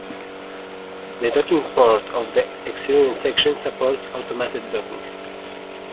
The docking port of the experiment section supports automated docking.